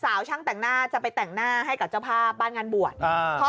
ช่างแต่งหน้าจะไปแต่งหน้าให้กับเจ้าภาพบ้านงานบวชอ่าพ่อ